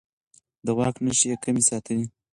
د واک نښې يې کمې ساتلې.